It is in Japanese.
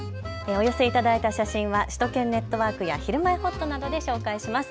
お寄せ頂いた写真は首都圏ネットワークやひるまえほっとなどで紹介します。